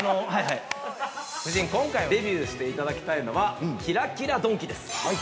夫人、今回デビューしていただきたいのはキラキラドンキです。